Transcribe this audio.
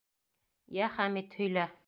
Йә, Хәмит, һөйлә.